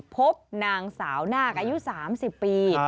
พบนางสาวนาคอายุ๓๐ปี